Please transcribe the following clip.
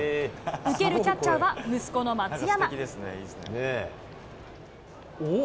受けるキャッチャーは、息子の松山。